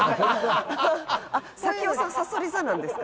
埼夫さんさそり座なんですか？